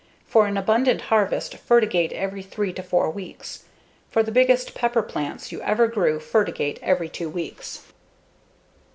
For an abundant harvest, fertigate every three or four weeks. For the biggest pepper plants you ever grew, fertigate every two weeks.